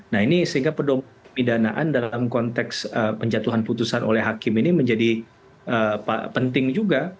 nah ini sehingga pedoman pidanaan dalam konteks penjatuhan putusan oleh hakim ini menjadi penting juga